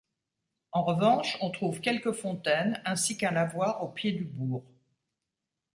En revanche, on trouve quelques fontaines ainsi qu'un lavoir au pied du bourg.